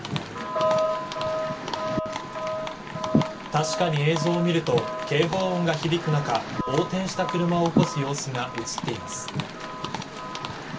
確かに、映像を見ると警報音が響くなか横転した車を起こす様子が映っています。